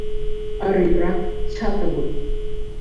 อริรัก - ชาตบุษย์